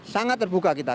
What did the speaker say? sangat terbuka kita